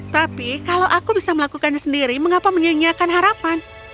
tapi kalau aku bisa melakukannya sendiri mengapa menyanyiakan harapan